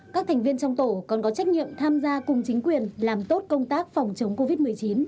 các thành viên trong tổ còn có trách nhiệm tham gia cùng chính quyền làm tốt công tác phòng chống covid một mươi chín